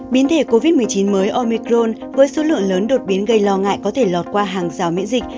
biến thể covid một mươi chín mới omicron với số lượng lớn đột biến gây lo ngại có thể lọt qua hàng rào miễn dịch